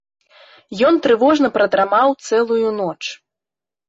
Ён трывожна прадрамаў цэлую ноч.